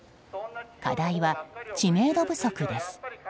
課題は知名度不足です。